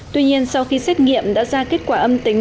tuy nhiên sau khi xét nghiệm đã ra kết quả âm tính